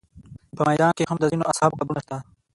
په میدان کې هم د ځینو اصحابو قبرونه شته.